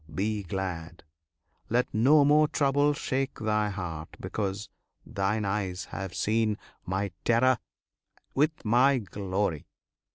Be glad! Let no more trouble shake thy heart, because thine eyes have seen My terror with My glory.